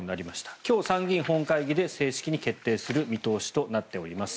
今日、参議院本会議で正式に決定する見通しとなっております。